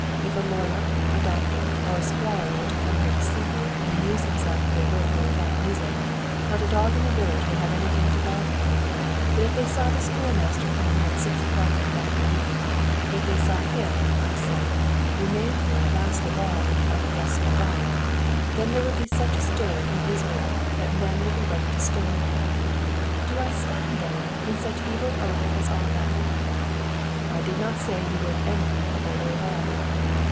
If a lawyer, a doctor, or a squire were to come to see you and amuse himself here with or without music, not a dog in the village would have anything to bark at; but if they saw the schoolmaster come here at six o'clock in the afternoon if they saw him, I say, remain here last of all when the other guests were gone, then there would be such a stir in Israel that men would be ready to stone me.' "'Do I stand, then, in such evil odour as all that?' "'I did not say that you were in any evil odour at all.'